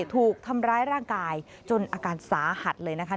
ถูกทำร้ายร่างกายจนอาการสาหัสเลยนะคะ